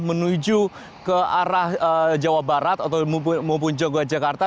menuju ke arah jawa barat atau maupun jogja jakarta